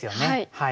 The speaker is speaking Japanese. はい。